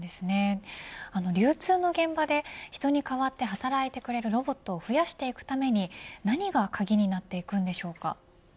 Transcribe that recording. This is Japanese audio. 流通の現場で人に代わって働いてくれるロボットを増やしていくために何が鍵になってくるんでしょうか。